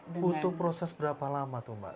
butuh proses berapa lama tuh mbak